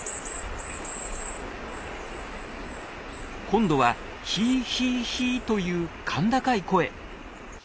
今度は「ヒーヒーヒー」という甲高い声。